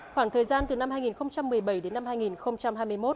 khoảng thời gian từ năm hai nghìn một mươi bảy đến năm hai nghìn hai mươi một